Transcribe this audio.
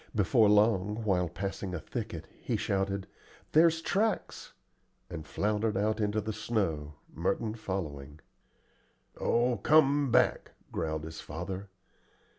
Before long, while passing a thicket, he shouted, "There's tracks," and floundered out into the snow, Merton following. "Oh, come back," growled his father.